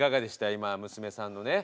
今娘さんのね。